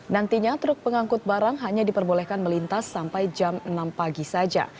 nantinya truk pengangkut barang hanya diperbolehkan melintas sampai jam enam pagi saja